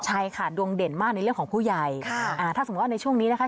ใช่ค่ะดวงเด่นมากในเรื่องของผู้ใหญ่ค่ะอ่าถ้าสมมุติว่าในช่วงนี้นะคะ